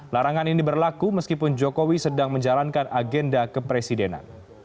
larangan ini berlaku meskipun jokowi sedang menjalankan agenda kepresidenan